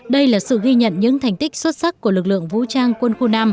đây là sự ghi nhận những thành tích xuất sắc của lực lượng vũ trang quân khu năm